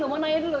mau nanya dulu